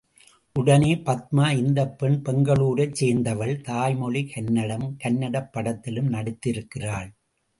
உடனே பத்மா, இந்தப் பெண் பெங்களுரைச் சேர்ந்தவள். தாய் மொழி கன்னடம், கன்னடப் படத்திலும் நடித்திருக்கிறாள்.